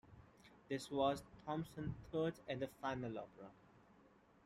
This was Thomson's third and final opera.